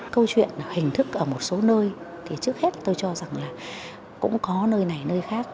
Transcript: câu chuyện hình thức ở một số nơi thì trước hết tôi cho rằng là cũng có nơi này nơi khác